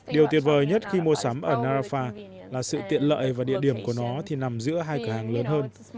điều tuyệt vời nhất khi mua sắm ở narafah là sự tiện lợi và địa điểm của nó thì nằm giữa hai cửa hàng lớn hơn